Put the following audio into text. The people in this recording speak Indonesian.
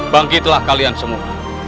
bangkitlah kalian semua